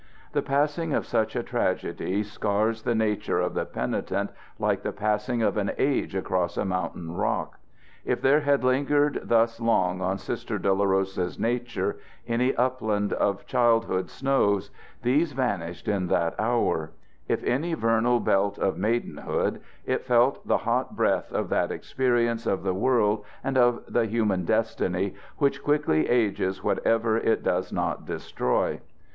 The passing of such a tragedy scars the nature of the penitent like the passing of an age across a mountain rock. If there had lingered thus long on Sister Dolorosa's nature any upland of childhood snows, these vanished in that hour; if any vernal belt of maidenhood, it felt the hot breath of that experience of the world and of the human destiny which quickly ages whatever it does not destroy.